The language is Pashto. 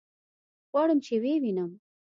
غواړم چې ويې وينم.